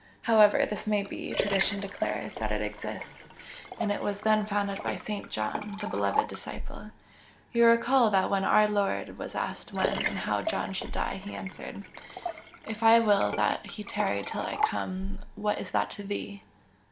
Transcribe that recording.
However this may be, tradition declares that it exists, and that it was founded by St. John, the 'beloved disciple.' You will recall that when Our Lord was asked when and how John should die He answered 'If I will that he tarry till I come, what is that to thee?'